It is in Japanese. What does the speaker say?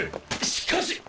しかし。